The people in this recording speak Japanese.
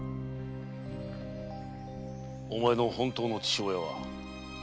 お前の本当の父親は？